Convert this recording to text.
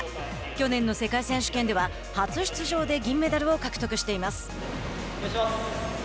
去年の世界選手権では初出場で銀メダルを獲得しています。